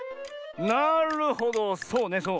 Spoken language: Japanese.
なるほどそうねそう。